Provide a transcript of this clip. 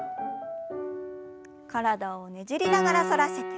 体をねじりながら反らせて。